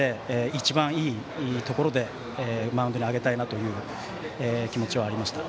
一番いいところでマウンドに上げたいなと思う気持ちがありました。